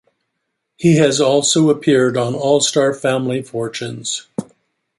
He has also appeared on "All Star Family Fortunes".